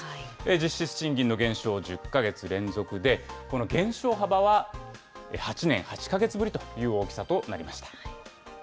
実質賃金の減少、１０か月連続で、この減少幅は８年８か月ぶりという大きさとなりました。